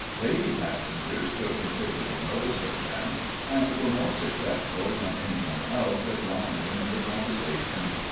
Lady passengers took considerable notice of them, and were more successful than any one else at drawing them into conversation.